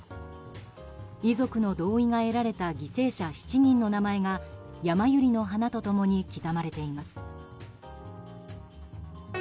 遺族の同意が得られた犠牲者７人の名前がヤマユリの花と共に刻まれています。